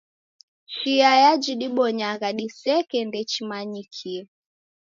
Chija chidibonyagha diseke ndechimanyikie.